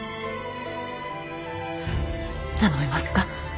頼めますか？